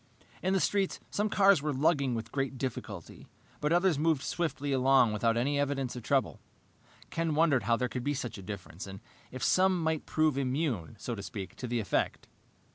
In the street, some cars were lugging with great difficulty, but others moved swiftly along without any evidence of trouble. Ken wondered how there could be such a difference, and if some might prove immune, so to speak, to the effect.